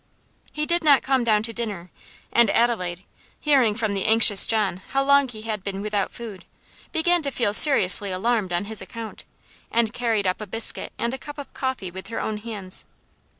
He did not come down to dinner, and Adelaide, hearing from the anxious John how long he had been without food, began to feel seriously alarmed on his account, and carried up a biscuit and a cup of coffee with her own hands.